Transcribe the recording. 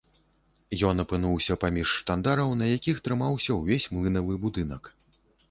Ён апынуўся паміж штандараў, на якіх трымаўся ўвесь млынавы будынак.